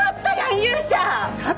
勇者！